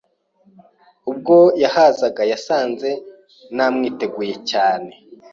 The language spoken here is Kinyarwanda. Ubwo yahazaga, yasanze namwiteguye cyane